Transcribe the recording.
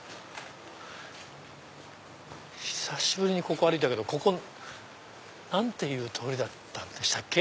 久しぶりにここ歩いたけど何ていう通りでしたっけ？